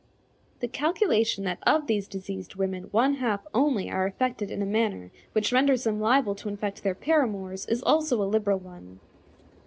The calculation that of these diseased women one half only are affected in a manner which renders them liable to infect their paramours is also a liberal one.